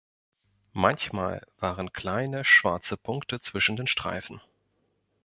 Manchmal waren kleine schwarze Punkte zwischen den Streifen.